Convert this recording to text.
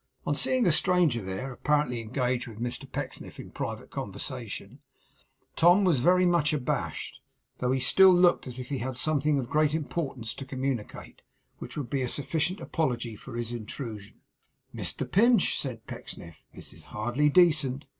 On seeing a stranger there, apparently engaged with Mr Pecksniff in private conversation, Tom was very much abashed, though he still looked as if he had something of great importance to communicate, which would be a sufficient apology for his intrusion. 'Mr Pinch,' said Pecksniff, 'this is hardly decent.